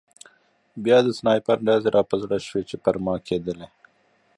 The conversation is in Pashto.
بیا د سنایپر ډزې را په زړه شوې چې پر ما کېدلې